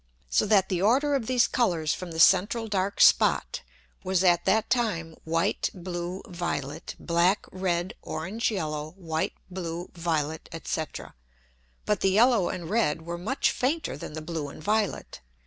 So that the order of these Colours from the central dark spot, was at that time white, blue, violet; black, red, orange, yellow, white, blue, violet, &c. But the yellow and red were much fainter than the blue and violet.